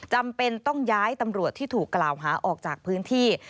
จำเป็นต้องย้ายตำรวจที่ถูกกล่าวหาออกจากพื้นที่